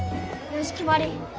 よしきまり！